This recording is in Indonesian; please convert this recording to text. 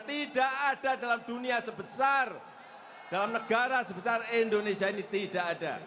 tidak ada dalam dunia sebesar dalam negara sebesar indonesia ini tidak ada